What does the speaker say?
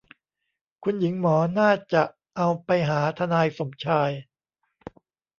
คุณหญิงหมอน่าจะเอาไปหาทนายสมชาย